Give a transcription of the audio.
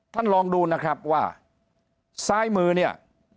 ท่านลองดูนะครับว่าซ้ายมือเนี่ย